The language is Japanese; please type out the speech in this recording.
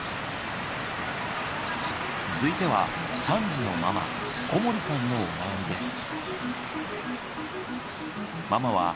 続いては３児のママ小森さんのお悩みです。